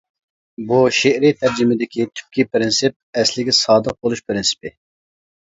بۇ شېئىرىي تەرجىمىدىكى تۈپكى پىرىنسىپ-ئەسلىگە سادىق بولۇش پىرىنسىپى.